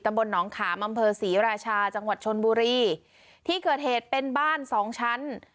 บนหนองขามอำเภอศรีราชาจังหวัดชนบุรีที่เกิดเหตุเป็นบ้านสองชั้น